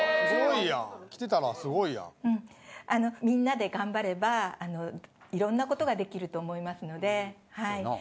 みんなで頑張れば色んなことができると思いますのではい。